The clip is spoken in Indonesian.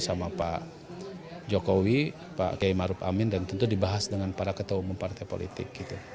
sama pak jokowi pak kiai maruf amin dan tentu dibahas dengan para ketua umum partai politik